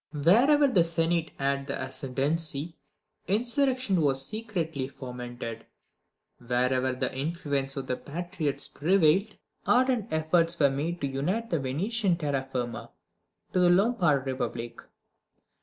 Wherever the Senate had the ascendency, insurrection was secretly fomented; wherever the influence of the patriots prevailed, ardent efforts were made to unite the Venetian terra firma to the Lombard Republic.